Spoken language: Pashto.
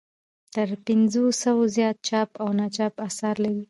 تر پنځو سوو زیات چاپ او ناچاپ اثار لري.